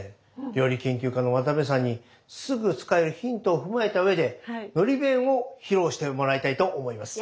料理研究家の渡辺さんにすぐ使えるヒントを踏まえたうえでのり弁を披露してもらいたいと思います。